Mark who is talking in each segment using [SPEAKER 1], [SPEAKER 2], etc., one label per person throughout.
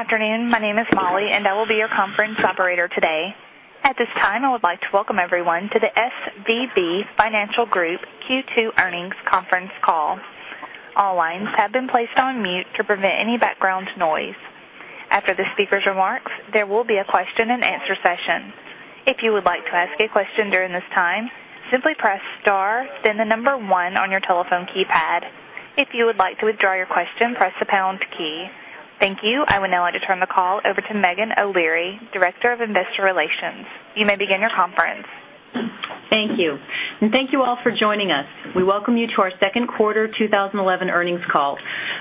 [SPEAKER 1] Afternoon. My name is Molly, and I will be your conference operator today. At this time, I would like to welcome everyone to the SVB Financial Group Q2 Earnings Conference Call. All lines have been placed on mute to prevent any background noise. After the speaker's remarks, there will be a question and answer session. If you would like to ask a question during this time, simply press star, then the number one on your telephone keypad. If you would like to withdraw your question, press the pound key. Thank you. I will now like to turn the call over to Meghan O'Leary, Director of Investor Relations. You may begin your conference.
[SPEAKER 2] Thank you. Thank you all for joining us. We welcome you to our second quarter 2011 earnings call.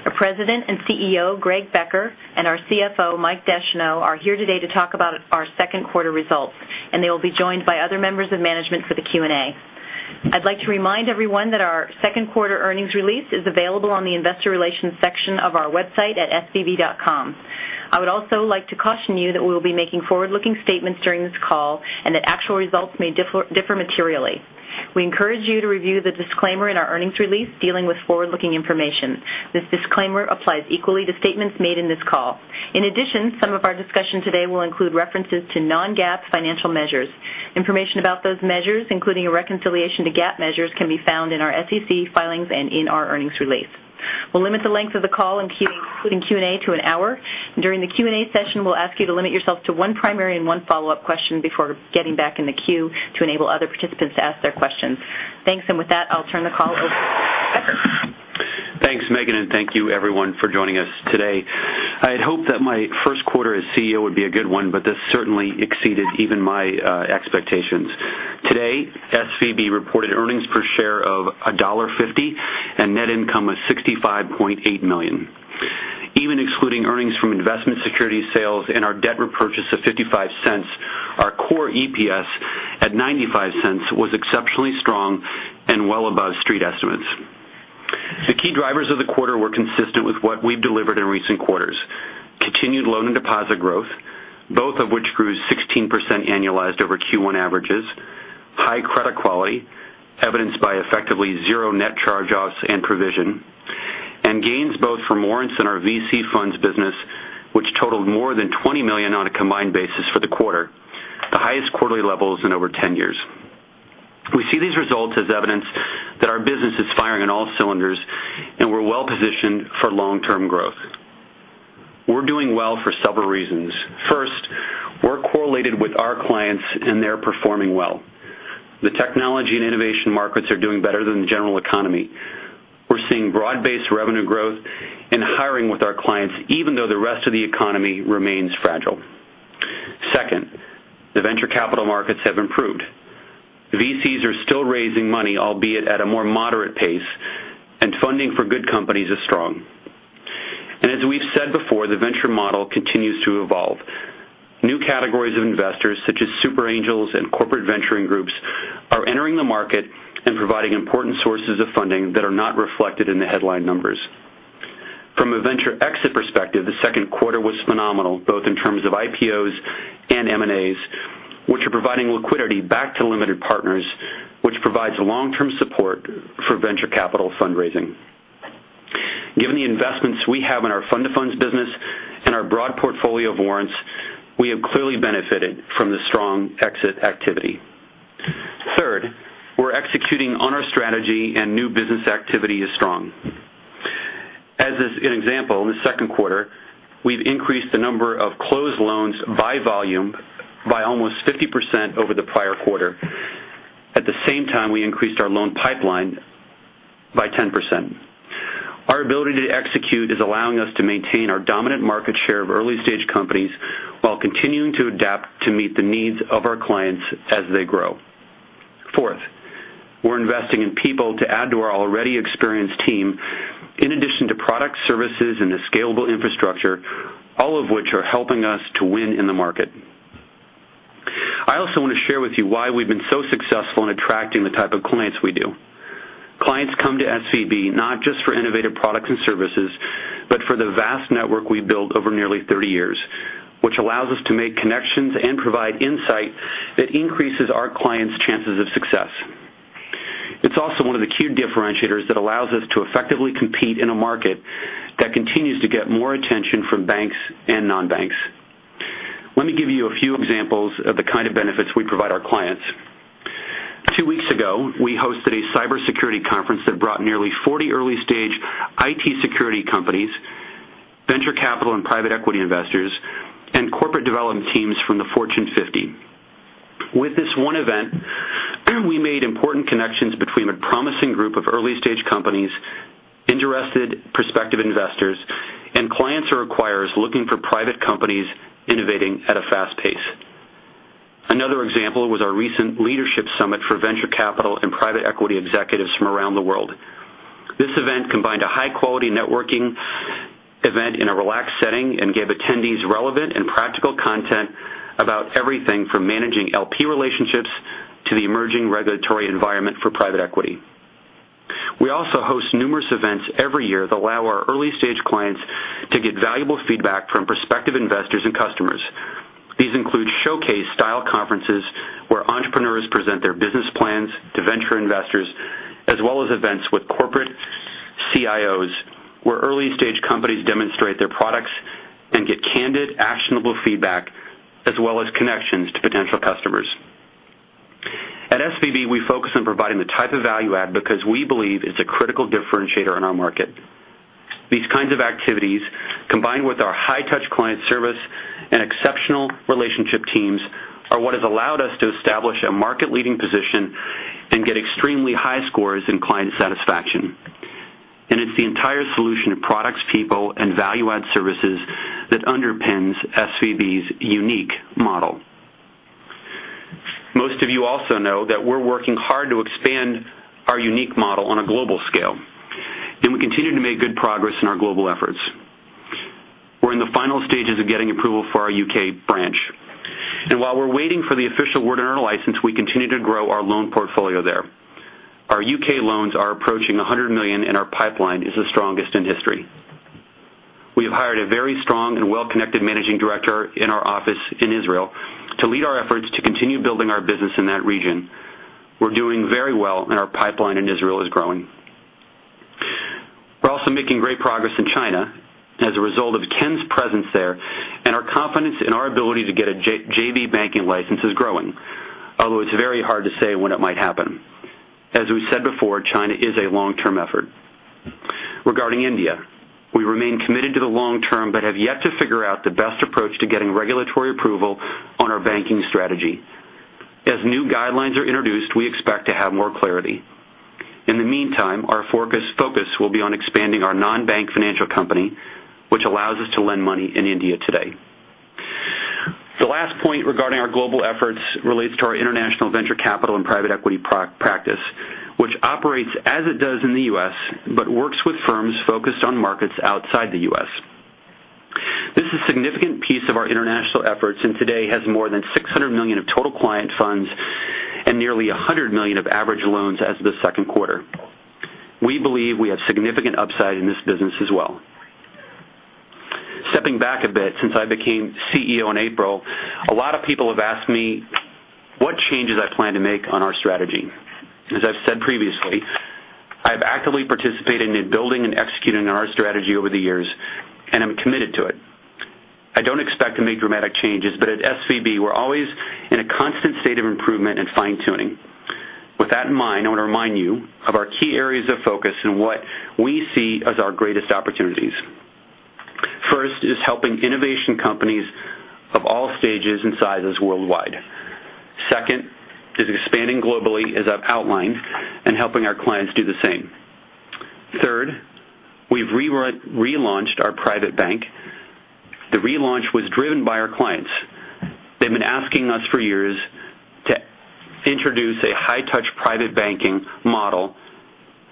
[SPEAKER 2] Our President and CEO, Greg Becker, and our CFO, Mike Descheneaux, are here today to talk about our second quarter results, and they will be joined by other members of management for the Q&A. I'd like to remind everyone that our second quarter earnings release is available on the Investor Relations section of our website at svb.com. I would also like to caution you that we will be making forward-looking statements during this call and that actual results may differ materially. We encourage you to review the disclaimer in our earnings release dealing with forward-looking information. This disclaimer applies equally to statements made in this call. In addition, some of our discussion today will include references to non-GAAP financial measures. Information about those measures, including a reconciliation to GAAP measures, can be found in our SEC filings and in our earnings release. We'll limit the length of the call, including Q&A, to an hour. During the Q&A session, we'll ask you to limit yourself to one primary and one follow-up question before getting back in the queue to enable other participants to ask their questions. Thanks. With that, I'll turn the call over to Greg Becker.
[SPEAKER 3] Thanks, Meghan, and thank you, everyone, for joining us today. I had hoped that my first quarter as CEO would be a good one, but this certainly exceeded even my expectations. Today, SVB reported earnings per share of $1.50 and net income of $65.8 million. Even excluding earnings from investment security sales and our debt repurchase of $0.55, our core EPS at $0.95 was exceptionally strong and well above street estimates. The key drivers of the quarter were consistent with what we've delivered in recent quarters: continued loan and deposit growth, both of which grew 16% annualized over Q1 averages, high credit quality, evidenced by effectively zero net charge-offs and provision, and gains both from warrants and our venture capital funds business, which totaled more than $20 million on a combined basis for the quarter, the highest quarterly levels in over 10 years. We see these results as evidence that our business is firing on all cylinders and we're well positioned for long-term growth. We're doing well for several reasons. First, we're correlated with our clients and they're performing well. The technology and innovation markets are doing better than the general economy. We're seeing broad-based revenue growth and hiring with our clients, even though the rest of the economy remains fragile. Second, the venture capital markets have improved. VCs are still raising money, albeit at a more moderate pace, and funding for good companies is strong. As we've said before, the venture model continues to evolve. New categories of investors, such as super angels and corporate venturing groups, are entering the market and providing important sources of funding that are not reflected in the headline numbers. From a venture exit perspective, the second quarter was phenomenal, both in terms of IPOs and M&As, which are providing liquidity back to limited partners, which provides long-term support for venture capital fundraising. Given the investments we have in our fund-to-funds business and our broad portfolio of warrants, we have clearly benefited from the strong exit activity. Third, we're executing on our strategy, and new business activity is strong. As an example, in the second quarter, we've increased the number of closed loans by volume by almost 50% over the prior quarter. At the same time, we increased our loan pipeline by 10%. Our ability to execute is allowing us to maintain our dominant market share of early-stage companies while continuing to adapt to meet the needs of our clients as they grow. Fourth, we're investing in people to add to our already experienced team, in addition to products, services, and the scalable infrastructure, all of which are helping us to win in the market. I also want to share with you why we've been so successful in attracting the type of clients we do. Clients come to SVB not just for innovative products and services, but for the vast network we've built over nearly 30 years, which allows us to make connections and provide insight that increases our clients' chances of success. It's also one of the key differentiators that allows us to effectively compete in a market that continues to get more attention from banks and non-banks. Let me give you a few examples of the kind of benefits we provide our clients. Two weeks ago, we hosted a cybersecurity conference that brought nearly 40 early-stage IT security companies, venture capital and private equity investors, and corporate development teams from the Fortune 50. With this one event, we made important connections between a promising group of early-stage companies, interested prospective investors, and clients or acquirers looking for private companies innovating at a fast pace. Another example was our recent leadership summit for venture capital and private equity executives from around the world. This event combined a high-quality networking event in a relaxed setting and gave attendees relevant and practical content about everything from managing LP relationships to the emerging regulatory environment for private equity. We also host numerous events every year that allow our early-stage clients to get valuable feedback from prospective investors and customers. These include showcase-style conferences where entrepreneurs present their business plans to venture investors, as well as events with corporate CIOs where early-stage companies demonstrate their products and get candid, actionable feedback, as well as connections to potential customers. At SVB, we focus on providing the type of value-add because we believe it's a critical differentiator in our market. These kinds of activities, combined with our high-touch client service and exceptional relationship teams, are what have allowed us to establish a market-leading position and get extremely high scores in client satisfaction. It is the entire solution of products, people, and value-add services that underpins SVB's unique model. Most of you also know that we're working hard to expand our unique model on a global scale, and we continue to make good progress in our global efforts. We are in the final stages of getting approval for our U.K. branch. While we're waiting for the official word on our license, we continue to grow our loan portfolio there. Our U.K. loans are approaching $100 million, and our pipeline is the strongest in history. We have hired a very strong and well-connected Managing Director in our office in Israel to lead our efforts to continue building our business in that region. We're doing very well, and our pipeline in Israel is growing. We are also making great progress in China as a result of Ken's presence there, and our confidence in our ability to get a JV banking license is growing, although it is very hard to say when it might happen. As we've said before, China is a long-term effort. Regarding India, we remain committed to the long term, but have yet to figure out the best approach to getting regulatory approval on our banking strategy. As new guidelines are introduced, we expect to have more clarity. In the meantime, our focus will be on expanding our non-bank financial company, which allows us to lend money in India today. The last point regarding our global efforts relates to our international venture capital and private equity practice, which operates as it does in the U.S. but works with firms focused on markets outside the U.S. This is a significant piece of our international efforts and today has more than $600 million of total client funds and nearly $100 million of average loans as of the second quarter. We believe we have significant upside in this business as well. Stepping back a bit, since I became CEO in April, a lot of people have asked me what changes I plan to make on our strategy. As I've said previously, I've actively participated in building and executing on our strategy over the years, and I'm committed to it. I don't expect to make dramatic changes, but at SVB, we're always in a constant state of improvement and fine-tuning. With that in mind, I want to remind you of our key areas of focus and what we see as our greatest opportunities. First is helping innovation companies of all stages and sizes worldwide. Second is expanding globally, as I've outlined, and helping our clients do the same. Third, we've relaunched our private bank. The relaunch was driven by our clients. They've been asking us for years to introduce a high-touch private banking model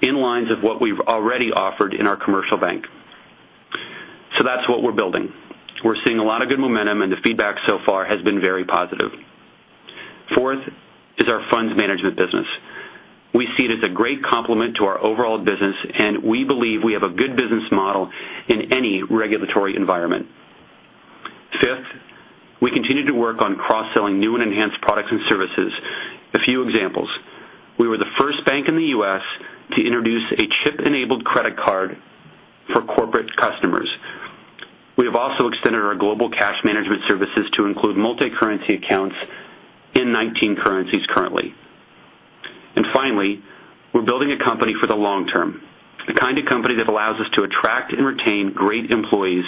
[SPEAKER 3] in lines of what we've already offered in our commercial bank. That's what we're building. We're seeing a lot of good momentum, and the feedback so far has been very positive. Fourth is our funds management business. We see it as a great complement to our overall business, and we believe we have a good business model in any regulatory environment. Fifth, we continue to work on cross-selling new and enhanced products and services. A few examples: we were the first bank in the U.S. to introduce a chip-enabled credit card for corporate customers. We have also extended our global cash management services to include multi-currency accounts in 19 currencies currently. Finally, we're building a company for the long term, the kind of company that allows us to attract and retain great employees.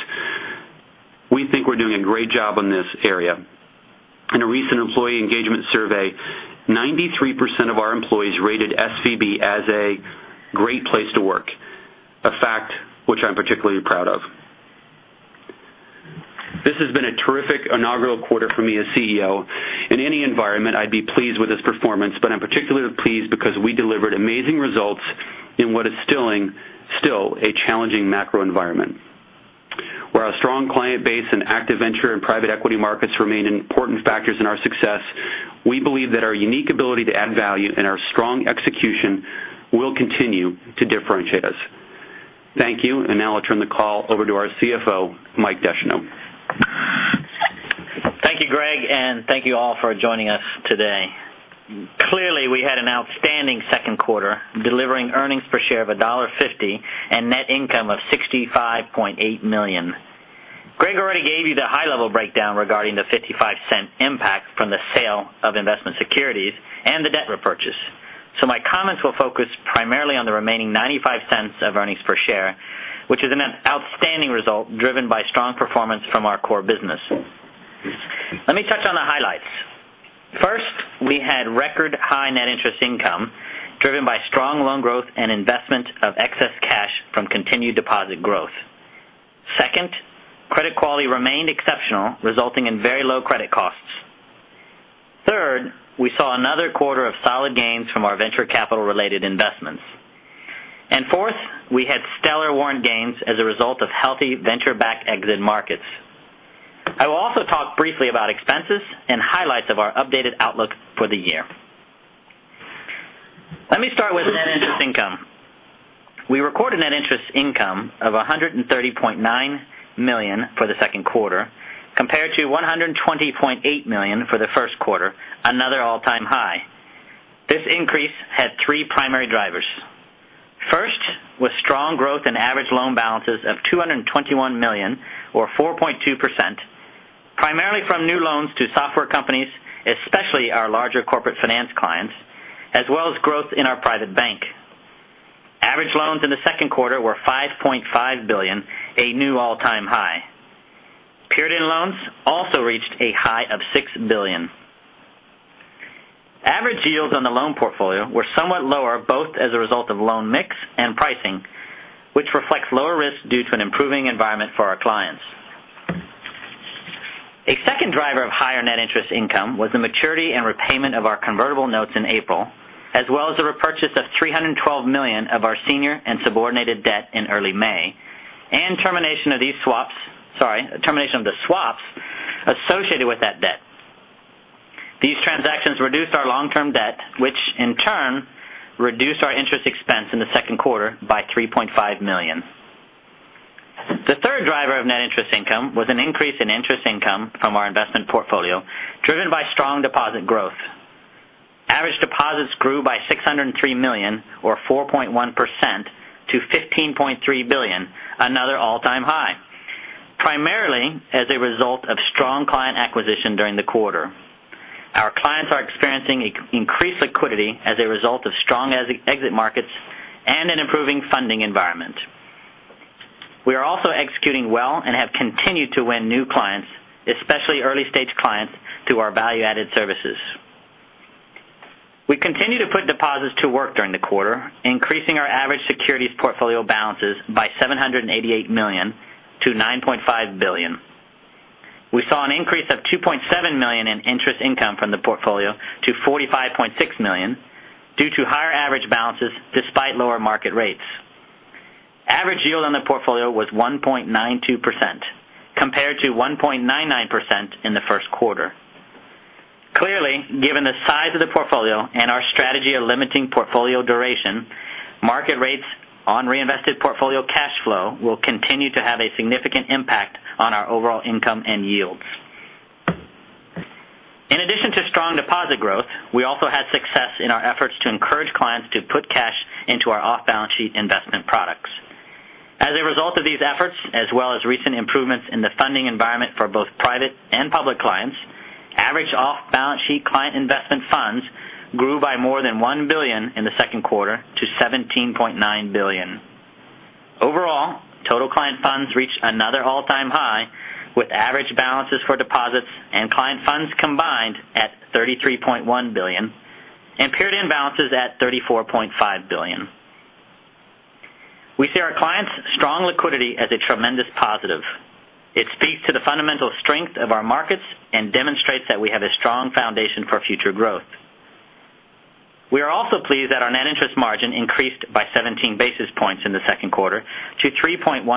[SPEAKER 3] We think we're doing a great job in this area. In a recent employee engagement survey, 93% of our employees rated SVB as a great place to work, a fact which I'm particularly proud of. This has been a terrific inaugural quarter for me as CEO. In any environment, I'd be pleased with this performance, but I'm particularly pleased because we delivered amazing results in what is still a challenging macro environment. Where our strong client base and active venture and private equity markets remain important factors in our success, we believe that our unique ability to add value and our strong execution will continue to differentiate us. Thank you. Now I'll turn the call over to our CFO, Mike Descheneaux.
[SPEAKER 4] Thank you, Greg, and thank you all for joining us today. Clearly, we had an outstanding second quarter, delivering earnings per share of $1.50 and net income of $65.8 million. Greg already gave you the high-level breakdown regarding the $0.55 impact from the sale of investment securities and the debt repurchase. My comments will focus primarily on the remaining $0.95 of earnings per share, which is an outstanding result driven by strong performance from our core business. Let me touch on the highlights. First, we had record-high net interest income, driven by strong loan growth and investment of excess cash from continued deposit growth. Second, credit quality remained exceptional, resulting in very low credit costs. Third, we saw another quarter of solid gains from our venture capital-related investments. Fourth, we had stellar warrant gains as a result of healthy venture-backed exit markets. I will also talk briefly about expenses and highlights of our updated outlook for the year. Let me start with net interest income. We recorded net interest income of $130.9 million for the second quarter, compared to $120.8 million for the first quarter, another all-time high. This increase had three primary drivers. First was strong growth in average loan balances of $221 million, or 4.2%, primarily from new loans to software companies, especially our larger corporate finance clients, as well as growth in our private bank. Average loans in the second quarter were $5.5 billion, a new all-time high. Period-end loans also reached a high of $6 billion. Average yields on the loan portfolio were somewhat lower, both as a result of loan mix and pricing, which reflects lower risk due to an improving environment for our clients. A second driver of higher net interest income was the maturity and repayment of our convertible notes in April, as well as a repurchase of $312 million of our senior and subordinated debt in early May, and termination of the swaps associated with that debt. These transactions reduced our long-term debt, which in turn reduced our interest expense in the second quarter by $3.5 million. The third driver of net interest income was an increase in interest income from our investment portfolio, driven by strong deposit growth. Average deposits grew by $603 million, or 4.1%, to $15.3 billion, another all-time high, primarily as a result of strong client acquisition during the quarter. Our clients are experiencing increased liquidity as a result of strong exit markets and an improving funding environment. We are also executing well and have continued to win new clients, especially early-stage clients, to our value-added services. We continue to put deposits to work during the quarter, increasing our average securities portfolio balances by $788 million to $9.5 billion. We saw an increase of $2.7 million in interest income from the portfolio to $45.6 million due to higher average balances despite lower market rates. Average yield on the portfolio was 1.92%, compared to 1.99% in the first quarter. Clearly, given the size of the portfolio and our strategy of limiting portfolio duration, market rates on reinvested portfolio cash flow will continue to have a significant impact on our overall income and yield. In addition to strong deposit growth, we also had success in our efforts to encourage clients to put cash into our off-balance sheet investment products. As a result of these efforts, as well as recent improvements in the funding environment for both private and public clients, average off-balance sheet client investment funds grew by more than $1 billion in the second quarter to $17.9 billion. Overall, total client funds reached another all-time high, with average balances for deposits and client funds combined at $33.1 billion and period-end balances at $34.5 billion. We see our clients' strong liquidity as a tremendous positive. It speaks to the fundamental strength of our markets and demonstrates that we have a strong foundation for future growth. We are also pleased that our net interest margin increased by 17 basis points in the second quarter to 3.13%,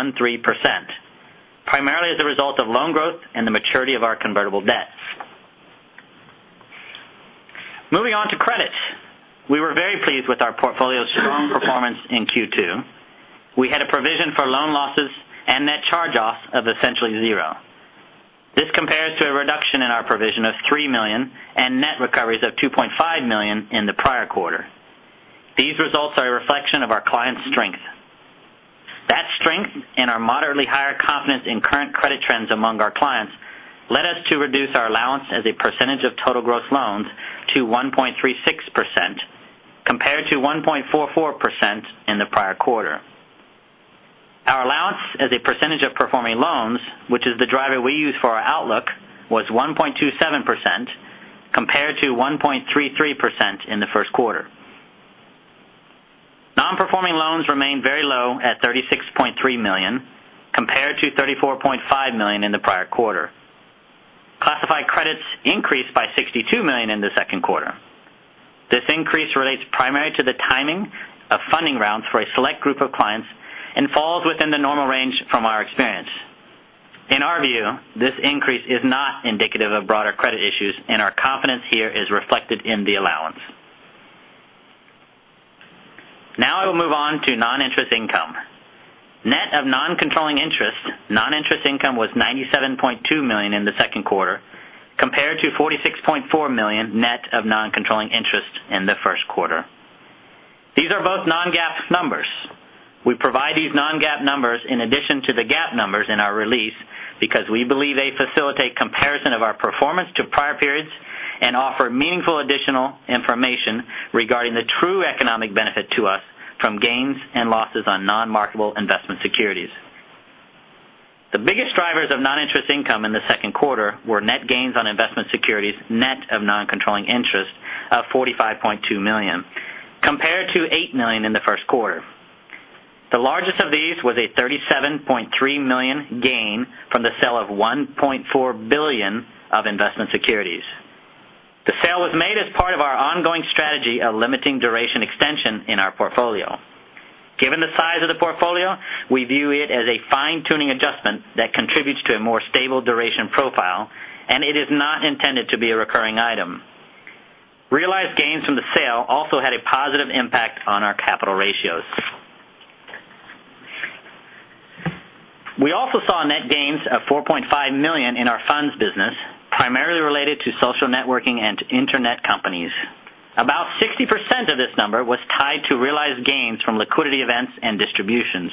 [SPEAKER 4] primarily as a result of loan growth and the maturity of our convertible debt. Moving on to credit, we were very pleased with our portfolio's strong performance in Q2. We had a provision for loan losses and net charge-offs of essentially zero. This compares to a reduction in our provision of $3 million and net recoveries of $2.5 million in the prior quarter. These results are a reflection of our client strength. That strength and our moderately higher confidence in current credit trends among our clients led us to reduce our allowance as a percentage of total gross loans to 1.36%, compared to 1.44% in the prior quarter. Our allowance as a percentage of performing loans, which is the driver we use for our outlook, was 1.27%, compared to 1.33% in the first quarter. Non-performing loans remained very low at $36.3 million, compared to $34.5 million in the prior quarter. Classified credits increased by $62 million in the second quarter. This increase relates primarily to the timing of funding rounds for a select group of clients and falls within the normal range from our experience. In our view, this increase is not indicative of broader credit issues, and our confidence here is reflected in the allowance. Now I will move on to non-interest income. Net of non-controlling interest, non-interest income was $97.2 million in the second quarter, compared to $46.4 million net of non-controlling interest in the first quarter. These are both non-GAAP numbers. We provide these non-GAAP numbers in addition to the GAAP numbers in our release because we believe they facilitate comparison of our performance to prior periods and offer meaningful additional information regarding the true economic benefit to us from gains and losses on non-marketable investment securities. The biggest drivers of non-interest income in the second quarter were net gains on investment securities, net of non-controlling interest of $45.2 million, compared to $8 million in the first quarter. The largest of these was a $37.3 million gain from the sale of $1.4 billion of investment securities. The sale was made as part of our ongoing strategy of limiting duration extension in our portfolio. Given the size of the portfolio, we view it as a fine-tuning adjustment that contributes to a more stable duration profile, and it is not intended to be a recurring item. Realized gains from the sale also had a positive impact on our capital ratios. We also saw net gains of $4.5 million in our funds business, primarily related to social networking and internet companies. About 60% of this number was tied to realized gains from liquidity events and distributions.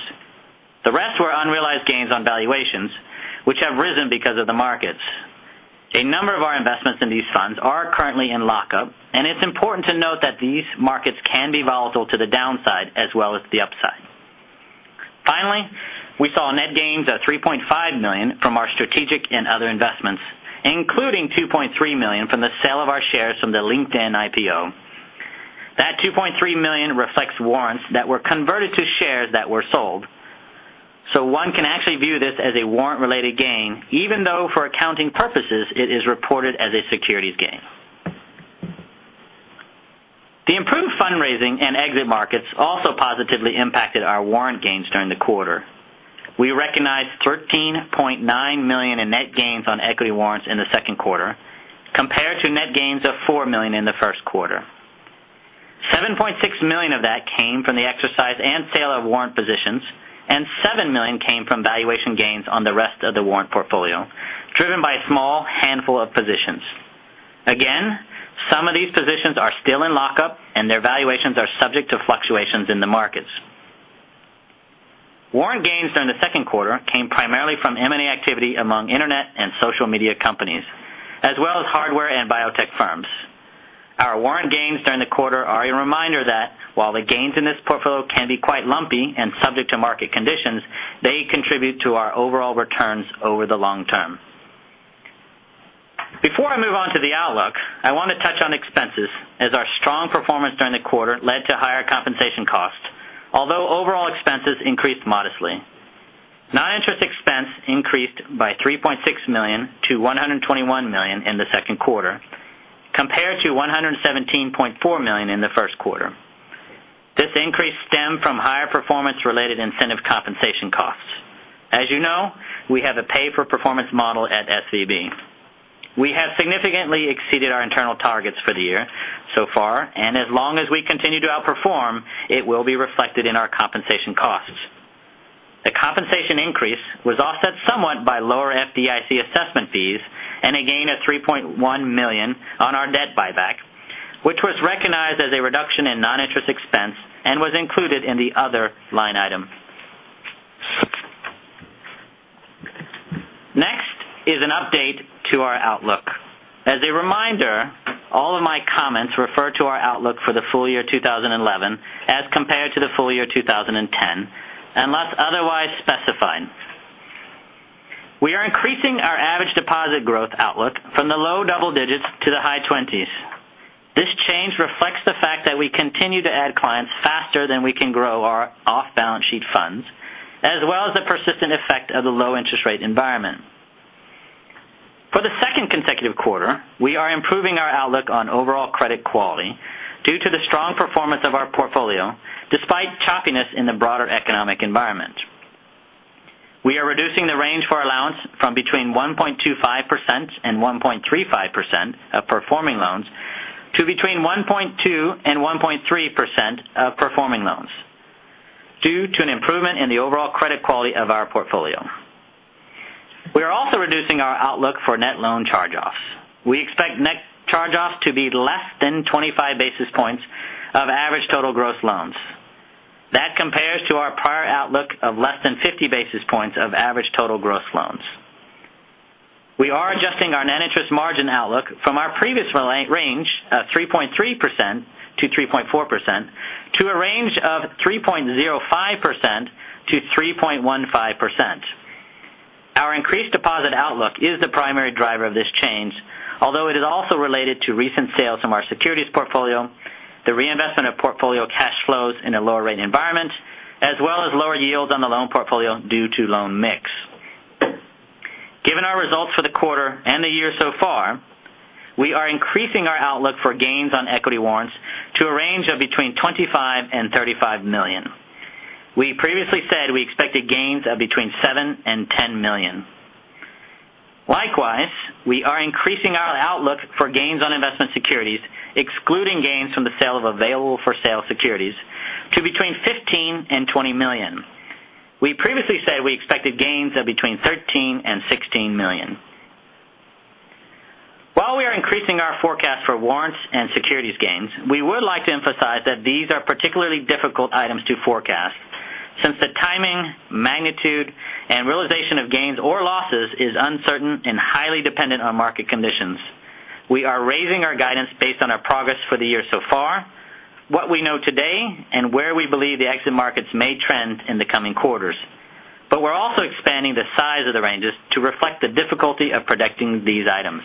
[SPEAKER 4] The rest were unrealized gains on valuations, which have risen because of the markets. A number of our investments in these funds are currently in lockup, and it's important to note that these markets can be volatile to the downside as well as the upside. Finally, we saw net gains of $3.5 million from our strategic and other investments, including $2.3 million from the sale of our shares from the LinkedIn IPO. That $2.3 million reflects warrants that were converted to shares that were sold. One can actually view this as a warrant-related gain, even though for accounting purposes, it is reported as a securities gain. The improved fundraising and exit markets also positively impacted our warrant gains during the quarter. We recognized $13.9 million in net gains on equity warrants in the second quarter, compared to net gains of $4 million in the first quarter. $7.6 million of that came from the exercise and sale of warrant positions, and $7 million came from valuation gains on the rest of the warrant portfolio, driven by a small handful of positions. Some of these positions are still in lockup, and their valuations are subject to fluctuations in the markets. Warrant gains during the second quarter came primarily from M&A activity among internet and social media companies, as well as hardware and biotech firms. Our warrant gains during the quarter are a reminder that while the gains in this portfolio can be quite lumpy and subject to market conditions, they contribute to our overall returns over the long term. Before I move on to the outlook, I want to touch on expenses, as our strong performance during the quarter led to higher compensation costs, although overall expenses increased modestly. Non-interest expense increased by $3.6 million to $121 million in the second quarter, compared to $117.4 million in the first quarter. This increase stemmed from higher performance-related incentive compensation costs. As you know, we have a pay-for-performance model at SVB. We have significantly exceeded our internal targets for the year so far, and as long as we continue to outperform, it will be reflected in our compensation costs. The compensation increase was offset somewhat by lower FDIC assessment fees and a gain of $3.1 million on our debt buyback, which was recognized as a reduction in non-interest expense and was included in the other line item. Next is an update to our outlook. As a reminder, all of my comments refer to our outlook for the full year 2011 as compared to the full year 2010, unless otherwise specified. We are increasing our average deposit growth outlook from the low double digits to the high 20s. This change reflects the fact that we continue to add clients faster than we can grow our off-balance sheet funds, as well as the persistent effect of the low interest rate environment. For the second consecutive quarter, we are improving our outlook on overall credit quality due to the strong performance of our portfolio, despite choppiness in the broader economic environment. We are reducing the range for allowance from between 1.25% and 1.35% of performing loans to between 1.2% and 1.3% of performing loans, due to an improvement in the overall credit quality of our portfolio. We are also reducing our outlook for net loan charge-offs. We expect net charge-offs to be less than 25 basis points of average total gross loans. That compares to our prior outlook of less than 50 basis points of average total gross loans. We are adjusting our net interest margin outlook from our previous range of 3.3%-3.4% to a range of 3.05%-3.15%. Our increased deposit outlook is the primary driver of this change, although it is also related to recent sales from our securities portfolio, the reinvestment of portfolio cash flows in a lower rate environment, as well as lower yields on the loan portfolio due to loan mix. Given our results for the quarter and the year so far, we are increasing our outlook for gains on equity warrants to a range of between $25 million and $35 million. We previously said we expected gains of between $7 million and $10 million. Likewise, we are increasing our outlook for gains on investment securities, excluding gains from the sale of available for sale securities, to between $15 million and $20 million. We previously said we expected gains of between $13 million and $16 million. While we are increasing our forecast for warrants and securities gains, we would like to emphasize that these are particularly difficult items to forecast, since the timing, magnitude, and realization of gains or losses is uncertain and highly dependent on market conditions. We are raising our guidance based on our progress for the year so far, what we know today, and where we believe the exit markets may trend in the coming quarters. We are also expanding the size of the ranges to reflect the difficulty of predicting these items.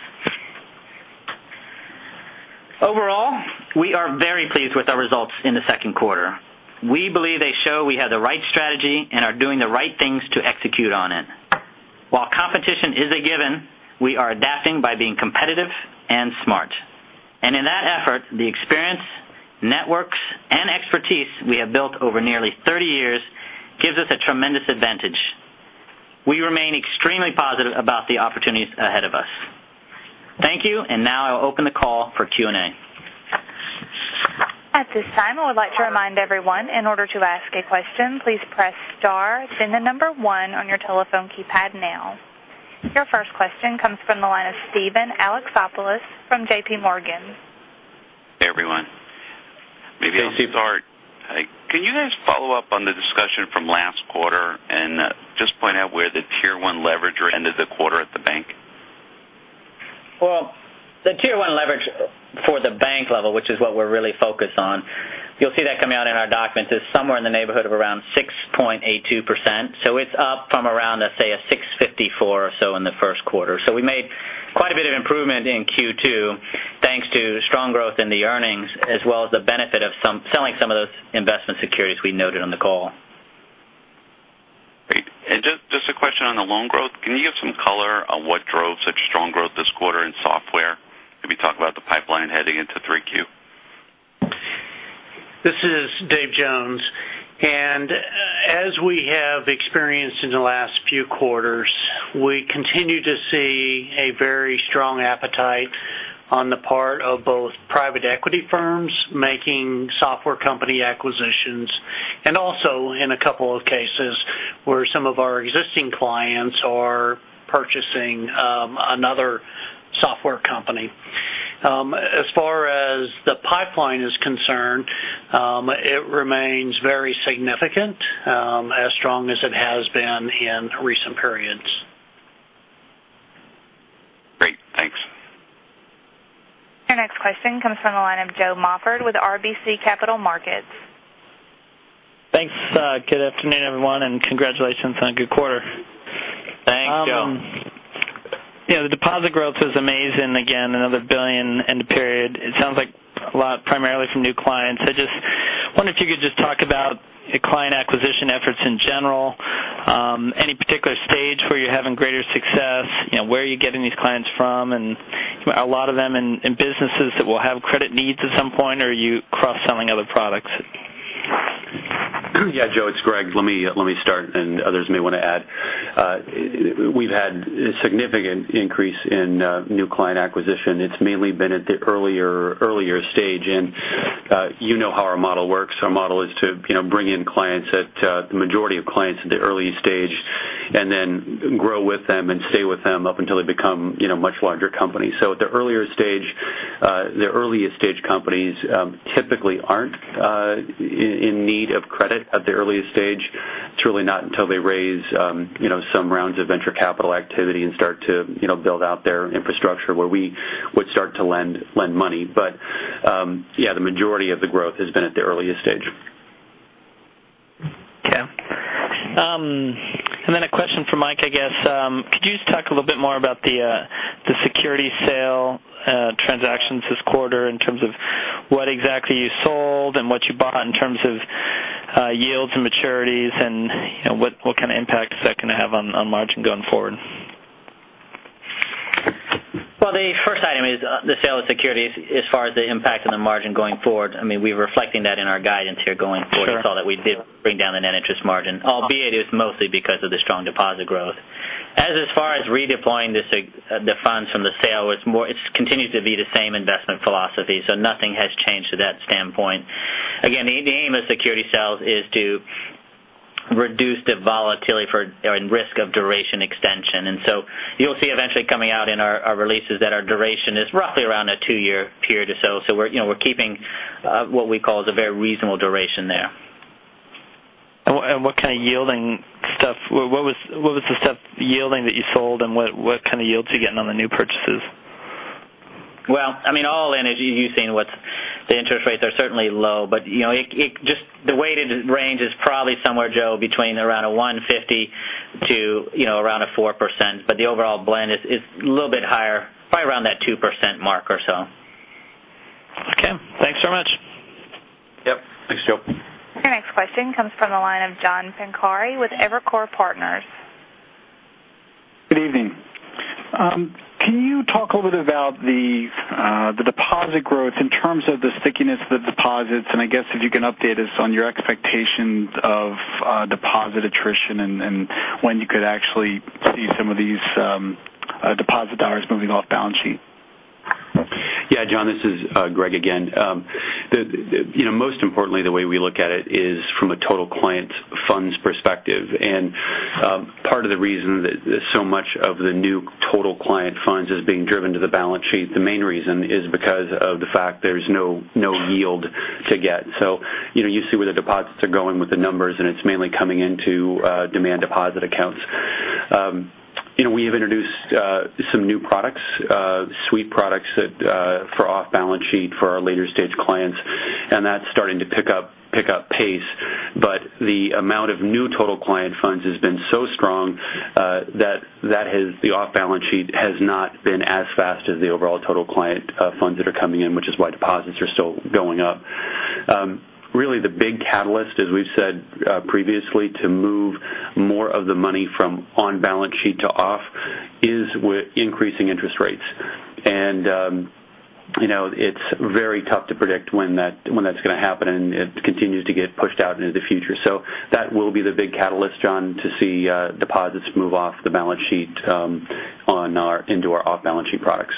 [SPEAKER 4] Overall, we are very pleased with our results in the second quarter. We believe they show we have the right strategy and are doing the right things to execute on it. While competition is a given, we are adapting by being competitive and smart. In that effort, the experience, networks, and expertise we have built over nearly 30 years gives us a tremendous advantage. We remain extremely positive about the opportunities ahead of us. Thank you. I will now open the call for Q&A.
[SPEAKER 1] At this time, I would like to remind everyone, in order to ask a question, please press star, then the number one on your telephone keypad now. Your first question comes from the line of Steven Alexopoulos from JPMorgan.
[SPEAKER 5] Hey, everyone. Maybe I'll say, can you guys follow up on the discussion from last quarter and just point out where the tier one leverage ended the quarter at the bank?
[SPEAKER 4] The tier one leverage for the bank level, which is what we're really focused on, you'll see that coming out in our document is somewhere in the neighborhood of around 6.82%. It's up from around, let's say, $654 or so in the first quarter. We made quite a bit of improvement in Q2 thanks to strong growth in the earnings, as well as the benefit of selling some of those investment securities we noted on the call.
[SPEAKER 5] Great. Just a question on the loan growth. Can you give some color on what drove such strong growth this quarter in software? Maybe talk about the pipeline heading into 3Q.
[SPEAKER 6] This is Dave Jones. As we have experienced in the last few quarters, we continue to see a very strong appetite on the part of both private equity firms making software company acquisitions and also in a couple of cases where some of our existing clients are purchasing another software company. As far as the pipeline is concerned, it remains very significant, as strong as it has been in recent periods.
[SPEAKER 5] Great. Thanks.
[SPEAKER 1] Our next question comes from the line of Joe Morford with RBC Capital Markets.
[SPEAKER 7] Thanks. Good afternoon, everyone, and congratulations on a good quarter.
[SPEAKER 4] Thanks, Joe.
[SPEAKER 7] Yeah, the deposit growth is amazing. Again, another $1 billion in the period. It sounds like a lot, primarily from new clients. I just wonder if you could just talk about client acquisition efforts in general, any particular stage where you're having greater success. You know, where are you getting these clients from? Are a lot of them in businesses that will have credit needs at some point, or are you cross-selling other products?
[SPEAKER 3] Yeah, Joe, it's Greg. Let me start, and others may want to add. We've had a significant increase in new client acquisition. It's mainly been at the earlier stage. You know how our model works. Our model is to bring in clients, the majority of clients, at the early stage and then grow with them and stay with them up until they become a much larger company. At the earlier stage, the earliest stage companies typically aren't in need of credit at the earliest stage. It's really not until they raise some rounds of venture capital activity and start to build out their infrastructure where we would start to lend money. Yeah, the majority of the growth has been at the earliest stage.
[SPEAKER 7] Yeah. A question for Mike, I guess. Could you just talk a little bit more about the security sale transactions this quarter in terms of what exactly you sold and what you bought in terms of yields and maturities, and what kind of impacts that can have on margin going forward?
[SPEAKER 4] The first item is the sale of securities as far as the impact on the margin going forward. We're reflecting that in our guidance here going forward. We saw that we did bring down the net interest margin, albeit it was mostly because of the strong deposit growth. As far as redeploying the funds from the sale, it continues to be the same investment philosophy. Nothing has changed to that standpoint. Again, the aim of security sales is to reduce the volatility and risk of duration extension. You'll see eventually coming out in our releases that our duration is roughly around a two-year period or so. We're keeping what we call a very reasonable duration there.
[SPEAKER 7] What kind of yielding stuff? What was the stuff yielding that you sold, and what kind of yields are you getting on the new purchases?
[SPEAKER 4] As you've seen, the interest rates are certainly low. Just the weighted range is probably somewhere, Joe, between around $150 to around 4%. The overall blend is a little bit higher, probably around that 2% mark or so.
[SPEAKER 7] Okay, thanks very much.
[SPEAKER 3] Yep, thanks, Joe.
[SPEAKER 1] Our next question comes from the line of John Pancari with Evercore Partners.
[SPEAKER 8] Good evening. Can you talk a little bit about the deposit growth in terms of the stickiness of the deposits? If you can update us on your expectations of deposit attrition and when you could actually see some of these deposit dollars moving off balance sheet.
[SPEAKER 3] Yeah, John, this is Greg again. Most importantly, the way we look at it is from a total client funds perspective. Part of the reason that so much of the new total client funds is being driven to the balance sheet, the main reason is because of the fact there's no yield to get. You see where the deposits are going with the numbers, and it's mainly coming into demand deposit accounts. We have introduced some new products, suite products for off balance sheet for our later stage clients, and that's starting to pick up pace. The amount of new total client funds has been so strong that the off balance sheet has not been as fast as the overall total client funds that are coming in, which is why deposits are still going up. Really, the big catalyst, as we've said previously, to move more of the money from on balance sheet to off is with increasing interest rates. It is very tough to predict when that's going to happen, and it continues to get pushed out into the future. That will be the big catalyst, John, to see deposits move off the balance sheet into our off balance sheet products.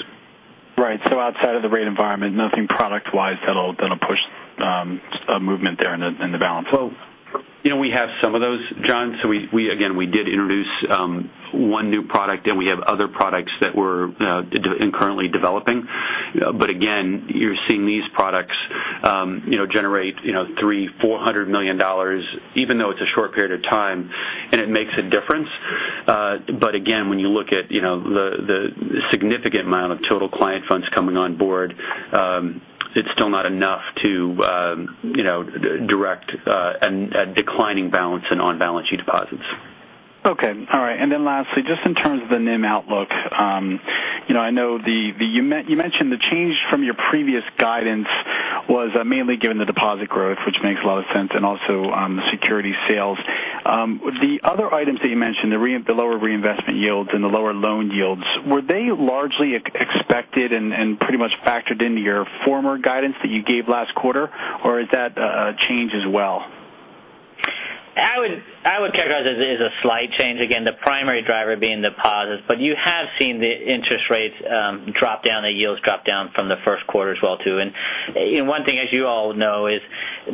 [SPEAKER 8] Right. Outside of the rate environment, nothing product-wise that will push a movement there in the balance?
[SPEAKER 3] You know we have some of those, John. Again, we did introduce one new product, and we have other products that we're currently developing. Again, you're seeing these products generate $300 million, $400 million even though it's a short period of time, and it makes a difference. Again, when you look at the significant amount of total client funds coming on board, it's still not enough to direct a declining balance and on balance sheet deposits.
[SPEAKER 8] All right. Lastly, just in terms of the NIM outlook, I know you mentioned the change from your previous guidance was mainly given the deposit growth, which makes a lot of sense, and also the security sales. The other items that you mentioned, the lower reinvestment yields and the lower loan yields, were they largely expected and pretty much factored into your former guidance that you gave last quarter, or is that a change as well?
[SPEAKER 4] I would characterize it as a slight change, again, the primary driver being deposits. You have seen the interest rates drop down, the yields drop down from the first quarter as well, too. One thing, as you all know, is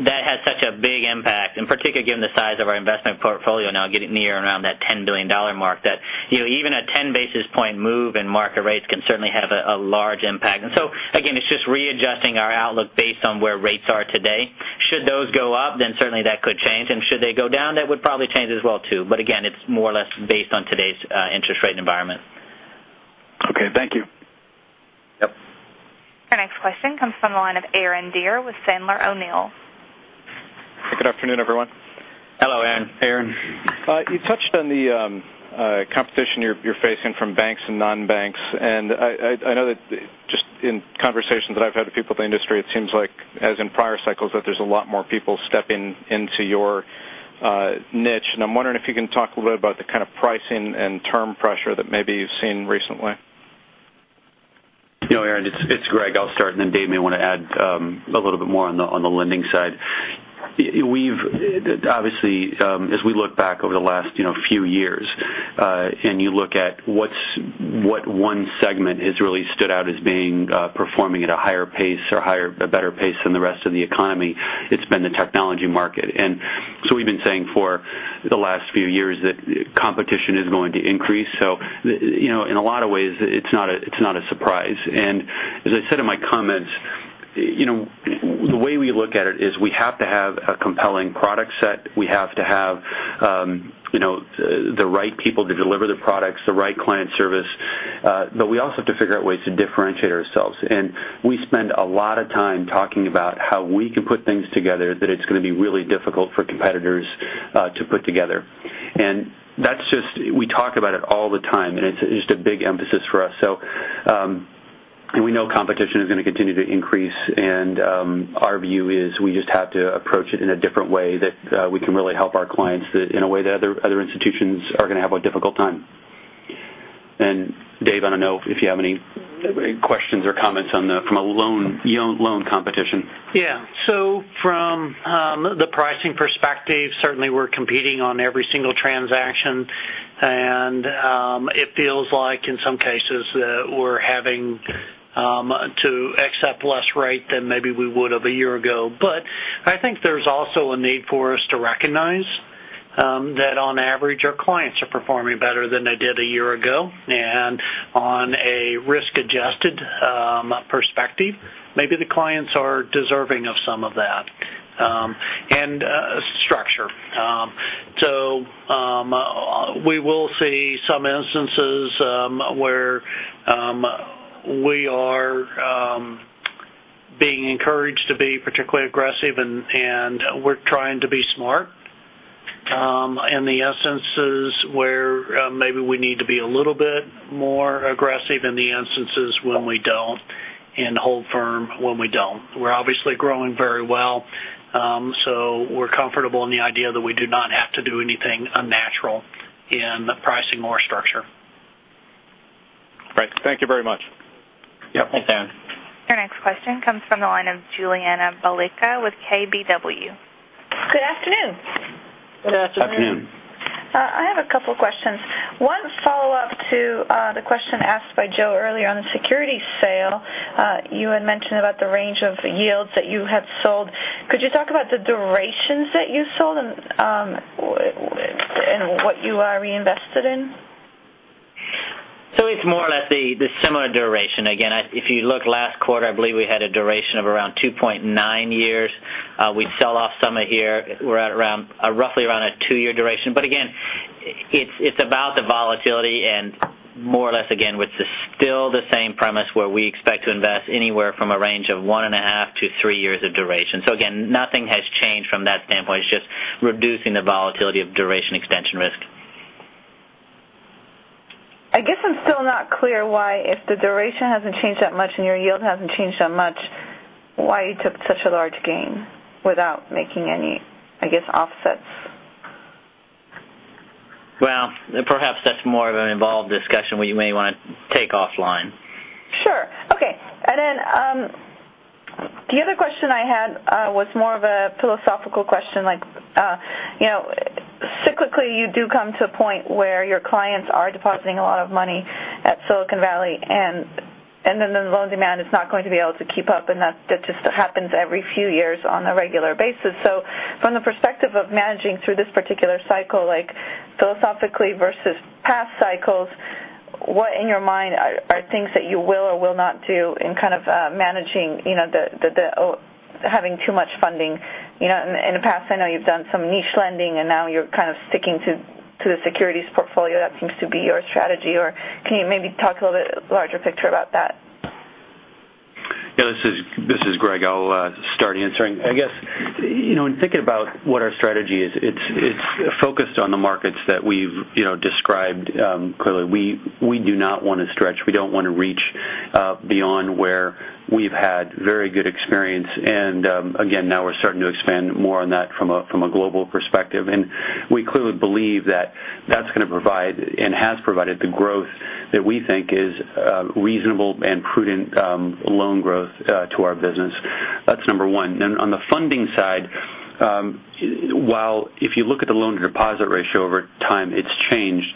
[SPEAKER 4] that has such a big impact, in particular given the size of our investment portfolio now getting near around that $10 billion mark, that even a 10 basis point move in market rates can certainly have a large impact. It's just readjusting our outlook based on where rates are today. Should those go up, certainly that could change. Should they go down, that would probably change as well, too. It's more or less based on today's interest rate environment.
[SPEAKER 8] Okay, thank you.
[SPEAKER 4] Yep.
[SPEAKER 1] Our next question comes from the line of Aaron Deer with Sandler O'Neill.
[SPEAKER 9] Good afternoon, everyone.
[SPEAKER 4] Hello, Aaron.
[SPEAKER 3] Aaron.
[SPEAKER 9] You touched on the competition you're facing from banks and non-banks. I know that just in conversations that I've had with people in the industry, it seems like, as in prior cycles, there's a lot more people stepping into your niche. I'm wondering if you can talk a little bit about the kind of pricing and term pressure that maybe you've seen recently.
[SPEAKER 3] You know, Aaron, it's Greg. I'll start, and then Dave may want to add a little bit more on the lending side. Obviously, as we look back over the last few years and you look at what one segment has really stood out as being performing at a higher pace or a better pace than the rest of the economy, it's been the technology market. We've been saying for the last few years that competition is going to increase. In a lot of ways, it's not a surprise. As I said in my comments, the way we look at it is we have to have a compelling product set. We have to have the right people to deliver the products, the right client service. We also have to figure out ways to differentiate ourselves. We spend a lot of time talking about how we can put things together that it's going to be really difficult for competitors to put together. We talk about it all the time, and it's just a big emphasis for us. We know competition is going to continue to increase. Our view is we just have to approach it in a different way that we can really help our clients in a way that other institutions are going to have a difficult time. Dave, I don't know if you have any questions or comments from a loan competition.
[SPEAKER 6] Yeah. From the pricing perspective, certainly, we're competing on every single transaction. It feels like in some cases that we're having to accept less rate than maybe we would have a year ago. I think there's also a need for us to recognize that on average, our clients are performing better than they did a year ago. On a risk-adjusted perspective, maybe the clients are deserving of some of that and structure. We will see some instances where we are being encouraged to be particularly aggressive, and we're trying to be smart in the instances where maybe we need to be a little bit more aggressive in the instances when we don't and hold firm when we don't. We're obviously growing very well. We're comfortable in the idea that we do not have to do anything unnatural in pricing or structure.
[SPEAKER 9] Right. Thank you very much.
[SPEAKER 6] Yep. Thanks, Aaron.
[SPEAKER 1] Our next question comes from the line of Juliana Balicka with KBW.
[SPEAKER 10] Good afternoon.
[SPEAKER 4] Good afternoon.
[SPEAKER 10] I have a couple of questions. One follow-up to the question asked by Joe earlier on the securities sale. You had mentioned about the range of yields that you have sold. Could you talk about the durations that you sold and what you reinvested in?
[SPEAKER 4] It's more or less the similar duration. If you look last quarter, I believe we had a duration of around 2.9 years. We sell off some of it here. We're at roughly around a two-year duration. Again, it's about the volatility and more or less, it's still the same premise where we expect to invest anywhere from a range of one and a half to three years of duration. Nothing has changed from that standpoint. It's just reducing the volatility of duration extension risk.
[SPEAKER 10] I guess I'm still not clear why, if the duration hasn't changed that much and your yield hasn't changed that much, why you took such a large gain without making any offsets.
[SPEAKER 4] Perhaps that's more of an involved discussion where you may want to take offline.
[SPEAKER 10] Sure. Okay. The other question I had was more of a philosophical question. Cyclically, you do come to a point where your clients are depositing a lot of money at Silicon Valley, and the loan demand is not going to be able to keep up, and that just happens every few years on a regular basis. From the perspective of managing through this particular cycle, philosophically versus past cycles, what in your mind are things that you will or will not do in kind of managing having too much funding? In the past, I know you've done some niche lending, and now you're kind of sticking to the securities portfolio. That seems to be your strategy. Can you maybe talk a little bit larger picture about that?
[SPEAKER 3] Yeah, this is Greg. I'll start answering. I guess, you know, when thinking about what our strategy is, it's focused on the markets that we've described clearly. We do not want to stretch. We don't want to reach beyond where we've had very good experience. Again, now we're starting to expand more on that from a global perspective. We clearly believe that that's going to provide and has provided the growth that we think is reasonable and prudent loan growth to our business. That's number one. On the funding side, while if you look at the loan to deposit ratio over time, it's changed,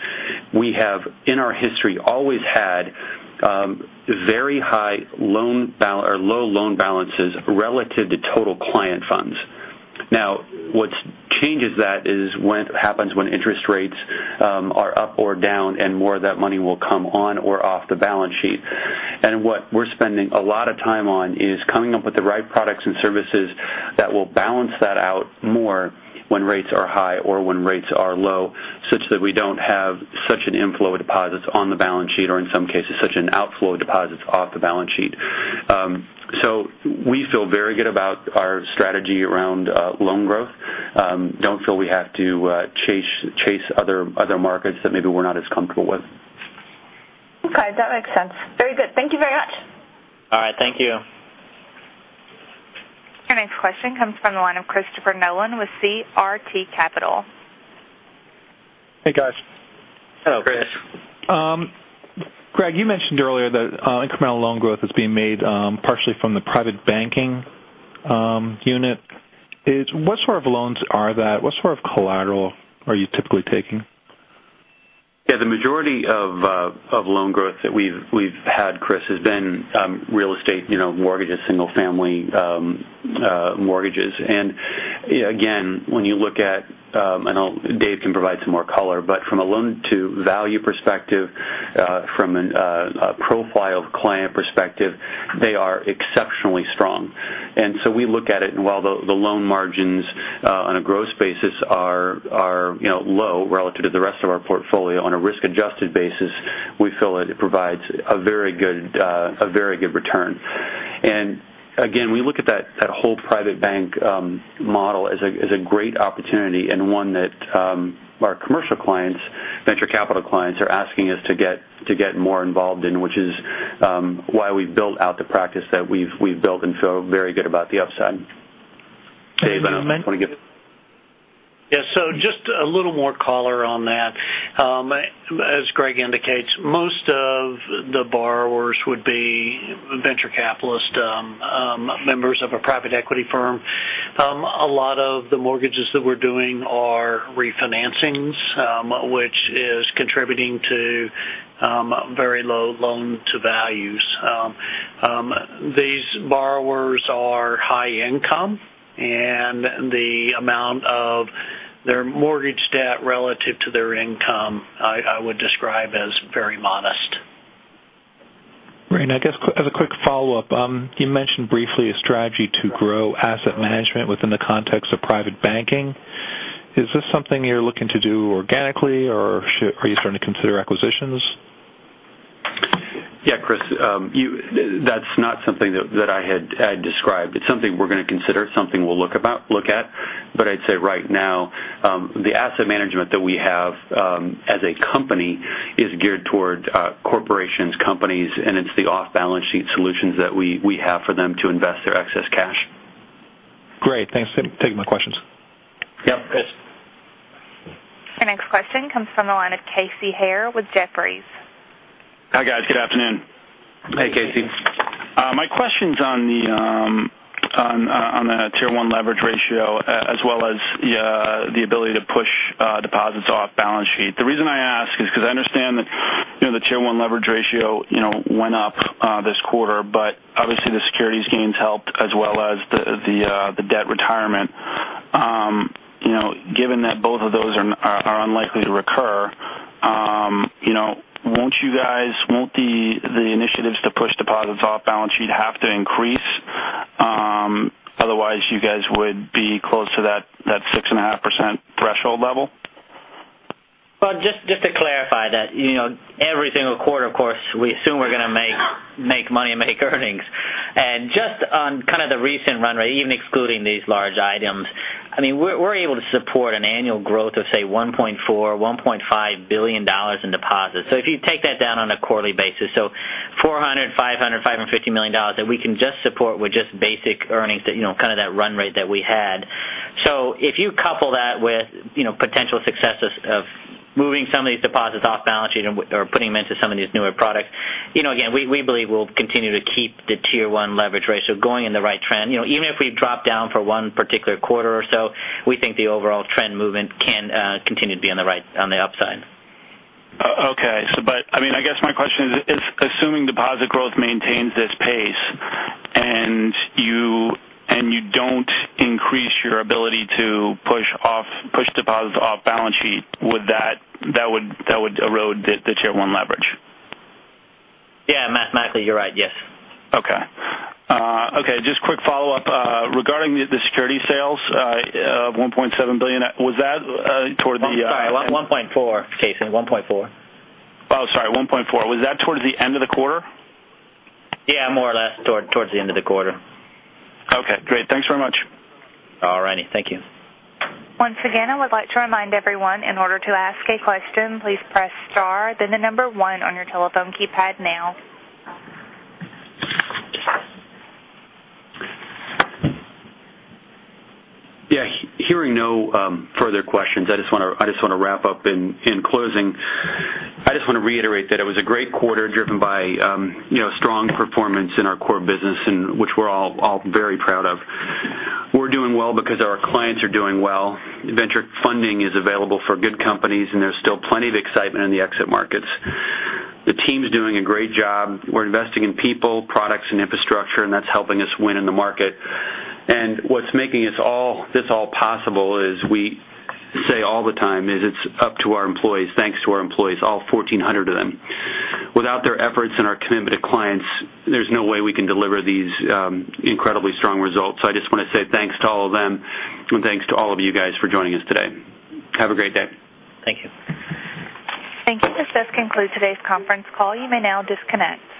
[SPEAKER 3] we have, in our history, always had very high loan or low loan balances relative to total client funds. What changes that is what happens when interest rates are up or down, and more of that money will come on or off the balance sheet. What we're spending a lot of time on is coming up with the right products and services that will balance that out more when rates are high or when rates are low, such that we don't have such an inflow of deposits on the balance sheet or, in some cases, such an outflow of deposits off the balance sheet. We feel very good about our strategy around loan growth. Don't feel we have to chase other markets that maybe we're not as comfortable with.
[SPEAKER 10] Okay, that makes sense. Very good. Thank you very much.
[SPEAKER 4] All right. Thank you.
[SPEAKER 1] Our next question comes from the line of Christopher Melon with CRT Capital. Hey, guys.
[SPEAKER 4] Hello Chris. Greg, you mentioned earlier that incremental loan growth is being made partially from the private bank unit. What sort of loans are that? What sort of collateral are you typically taking?
[SPEAKER 3] Yeah, the majority of loan growth that we've had, Chris, has been real estate, mortgages, single-family mortgages. When you look at, and Dave can provide some more color, from a loan-to-value perspective, from a profile of client perspective, they are exceptionally strong. We look at it, and while the loan margins on a gross basis are low relative to the rest of our portfolio, on a risk-adjusted basis, we feel it provides a very good return. We look at that whole private bank model as a great opportunity and one that our commercial clients, venture capital clients, are asking us to get more involved in, which is why we've built out the practice that we've built and feel very good about the upside.
[SPEAKER 6] Yeah, just a little more color on that. As Greg indicates, most of the borrowers would be venture capitalists or members of a private equity firm. A lot of the mortgages that we're doing are refinancings, which is contributing to very low loan-to-values. These borrowers are high income, and the amount of their mortgage debt relative to their income, I would describe as very modest. Great. I guess as a quick follow-up, you mentioned briefly a strategy to grow asset management within the context of private banking. Is this something you're looking to do organically, or are you starting to consider acquisitions?
[SPEAKER 3] Yeah, Chris, that's not something that I had described. It's something we're going to consider, something we'll look at. I'd say right now, the asset management that we have as a company is geared toward corporations, companies, and it's the off-balance sheet solutions that we have for them to invest their excess cash. Great, thanks. Take my questions.
[SPEAKER 6] Yep. Thanks.
[SPEAKER 1] Our next question comes from the line of Casey Haire with Jefferies.
[SPEAKER 11] Hi, guys. Good afternoon.
[SPEAKER 3] Hey, Casey.
[SPEAKER 11] My question is on the tier one leverage ratio as well as the ability to push deposits off balance sheet. The reason I ask is because I understand that the tier one leverage ratio went up this quarter, but obviously, the securities gains helped as well as the debt repurchase. Given that both of those are unlikely to recur, won't the initiatives to push deposits off balance sheet have to increase? Otherwise, you guys would be close to that 6.5% threshold level.
[SPEAKER 4] Just to clarify that, you know, every single quarter, of course, we assume we're going to make money and make earnings. Just on kind of the recent run rate, even excluding these large items, we're able to support an annual growth of, say, $1.4 billion, $1.5 billion in deposits. If you take that down on a quarterly basis, $400 million, $500 million, $550 million that we can just support with just basic earnings, kind of that run rate that we had. If you couple that with potential success of moving some of these deposits off balance sheet or putting them into some of these newer products, you know, again, we believe we'll continue to keep the tier one leverage ratio going in the right trend. Even if we drop down for one particular quarter or so, we think the overall trend movement can continue to be on the upside.
[SPEAKER 11] Okay, I guess my question is, assuming deposit growth maintains this pace and you don't increase your ability to push deposits off balance sheet, would that erode the tier one leverage?
[SPEAKER 4] Yeah, mathematically you're right. Yes.
[SPEAKER 11] Okay. Just a quick follow-up regarding the securities sales of $1.7 billion. Was that toward the?
[SPEAKER 4] Oh, I'm sorry. $1.4 million, Casey. $1.4 million.
[SPEAKER 11] Oh, sorry. $1.4 million. Was that towards the end of the quarter?
[SPEAKER 4] Yeah, more or less towards the end of the quarter.
[SPEAKER 11] Okay, great. Thanks very much.
[SPEAKER 4] All right. Thank you.
[SPEAKER 1] Once again, I would like to remind everyone, in order to ask a question, please press star, then the number one on your telephone keypad now.
[SPEAKER 3] Yeah, hearing no further questions, I just want to wrap up in closing. I just want to reiterate that it was a great quarter driven by strong performance in our core business, which we're all very proud of. We're doing well because our clients are doing well. Venture funding is available for good companies, and there's still plenty of excitement in the exit markets. The team's doing a great job. We're investing in people, products, and infrastructure, and that's helping us win in the market. What's making this all possible, as we say all the time, is it's up to our employees, thanks to our employees, all 1,400 of them. Without their efforts and our commitment to clients, there's no way we can deliver these incredibly strong results. I just want to say thanks to all of them, and thanks to all of you guys for joining us today. Have a great day.
[SPEAKER 4] Thank you.
[SPEAKER 1] Thank you. This does conclude today's conference call. You may now disconnect.